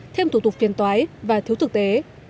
thêm thủ tục phiên tói và thiếu thực tế